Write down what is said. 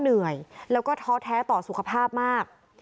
เหนื่อยแล้วก็ท้อแท้ต่อสุขภาพมาก